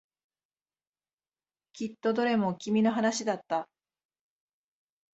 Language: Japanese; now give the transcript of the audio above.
きっとどれも君の話だった。